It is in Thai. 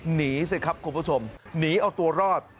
หนีสิครับคุณผู้ชมหนีเอาตัวรอด